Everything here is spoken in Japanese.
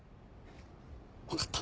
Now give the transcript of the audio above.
分かった。